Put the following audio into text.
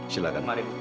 silakan mari bu